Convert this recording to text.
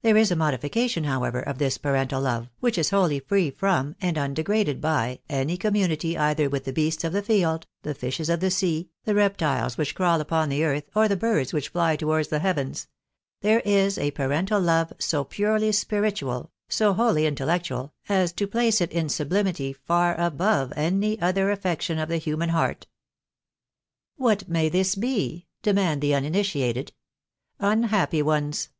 There is a modification, however, of this parental love, which is wholly free from, and undegraded by, any community either with the beasts of the field, the fishes of the sea, the reptiles which crawl upon the earth, or the birds which fly towards the heavens — there is a parental love, so purely spiritual, so wholly intellectual, as to place it in sublimity far above any other affection of the himian heart. " What may this be ?" demand the uninitiated. Unhappy ones